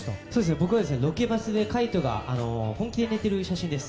僕はロケバスで海人が本気で寝てる写真です。